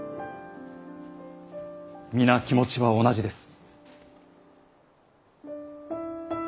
皆気持ちは同じです。